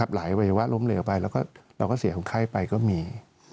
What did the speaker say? วัยวะล้มเหลวไปเราก็เสียของไข้ไปก็มี